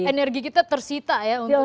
jadi energi kita tersita ya untuk itu ya